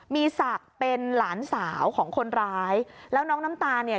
มีศักดิ์เป็นหลานสาวของคนร้ายแล้วน้องน้ำตาลเนี่ย